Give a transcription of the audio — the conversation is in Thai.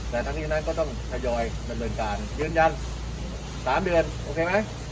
ดังที่นั่นก็ต้องหายอยเรียนรุนการยืนยัน๓เดือนโอเคไหม